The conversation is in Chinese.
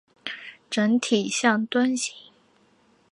整体像樽形。